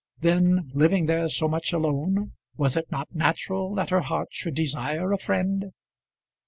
Then, living there so much alone, was it not natural that her heart should desire a friend?